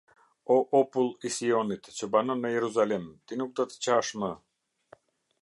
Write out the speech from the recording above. O opull i Sionit që banon në Jeruzalem, ti nuk do të qash më.